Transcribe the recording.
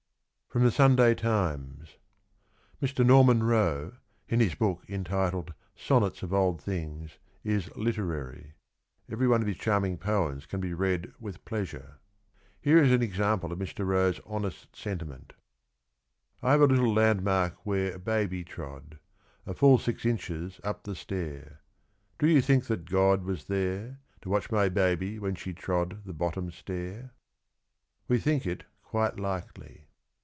FROM THE SUNDAY TIMES. Mr. Norman Roe (in his book, entitled Sonnets of Old Things) is ... literary. Every one of his charming poems can be read with pleasure. (Here) is an example of Mr. Roe's honest sentiment :— I have a little landmark where Baby trod, A full six inches up the stair — Do you think that God Was there To watch my baby when she trod The bottom stair ? We think it quite likely.